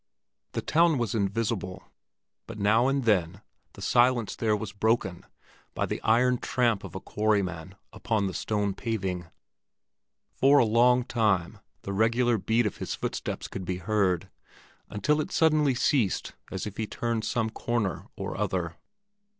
The town was invisible, but now and then the silence there was broken by the iron tramp of a quarryman upon the stone paving. For a long time the regular beat of his footsteps could be heard, until it suddenly ceased as he turned some corner or other.